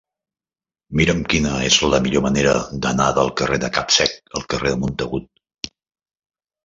Mira'm quina és la millor manera d'anar del carrer de Capsec al carrer de Montagut.